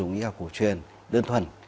dùng y học cổ truyền đơn thuần